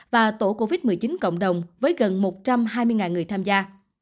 và tổ covid một mươi chín cộng đồng với gần một trăm hai mươi người tham gia